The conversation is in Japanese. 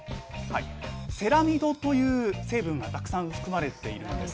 セラミドという成分がたくさん含まれているんです。